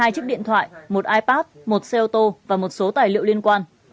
hai mươi hai chiếc điện thoại một ipad một xe ô tô và một số tài liệu liên quan